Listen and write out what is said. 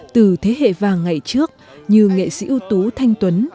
từ thế hệ vàng ngày trước như nghệ sĩ ưu tú thanh tuấn